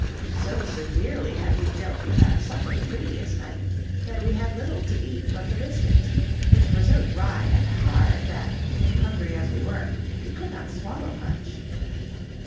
So severely had we dealt with our supper the previous night that we had little to eat but the biscuits, which were so dry and hard, that, hungry as we were, we could not swallow much.